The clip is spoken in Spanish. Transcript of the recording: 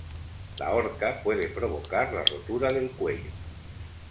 La horca puede provocar la rotura del cuello.